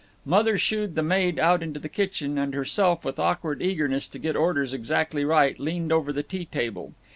Mother shooed the maid out into the kitchen, and herself, with awkward eagerness to get orders exactly right, leaned over the tea table.